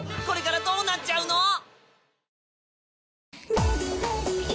これからどうなっちゃうの！？